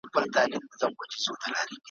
یو شته من وو چي دوې لوڼي یې لرلې `